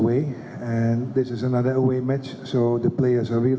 dan ini adalah pertandingan yang lain jadi pemain sangat berharap